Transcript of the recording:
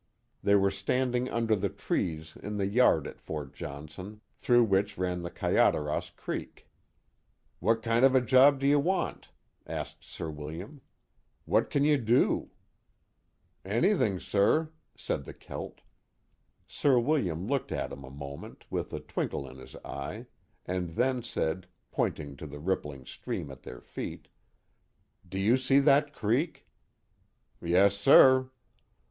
They were stand ing under the trees in the yard at Fort Johnson, through which ran the Kayaderos Creek. What kind of a job do you want ?asked Sir William. What can you do ?"" Anything, sur," said the Celt. Sir William looked at him a moment with a twinkle in his eye, and then said, pointing to the rippling stream at their feet, Do you see that creek ?"*' Yes, sur."